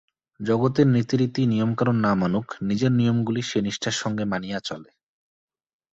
জগতের নীতি রীতি নিয়মকানুন না মানুক, নিজের নিয়মগুলি সে নিষ্ঠার সঙ্গে মানিয়া চলে।